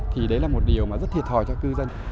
thì đấy là một điều mà rất thiệt thòi cho cư dân